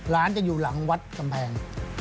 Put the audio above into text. ร้านจะอยู่หลังวัดกำแพง